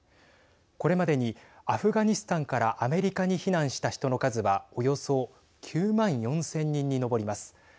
これまでに、アフガニスタンからアメリカに避難した人の数はおよそ９万４０００人に上ります。